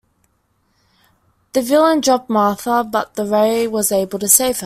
The villain dropped Martha, but the Ray was able to save her.